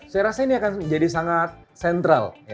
saya rasa ini akan jadi sangat sentral